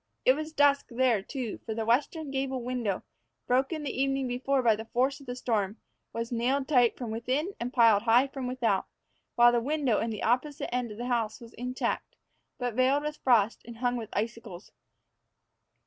It was dusk there, too, for the western gable window, broken the evening before by the force of the storm, was nailed tight from within and piled high from without; while the window in the opposite end of the house was intact, but veiled with frost and hung with icicles.